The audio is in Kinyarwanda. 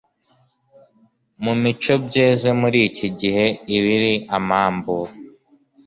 mu mico byeze muri iki gihe Ibiri amambu